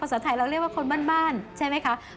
สาวไทยเราเรียกว่าคนบ้านใช่ไหมคะ